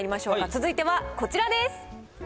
続いてはこちらです。